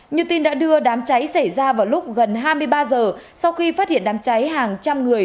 như tin đã đưa đám cháy xảy ra vào lúc gần hai mươi ba giờ sau khi phát hiện đám cháy hàng trăm người